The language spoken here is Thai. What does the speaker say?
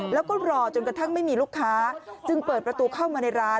แล้วก็รอจนกระทั่งไม่มีลูกค้าจึงเปิดประตูเข้ามาในร้าน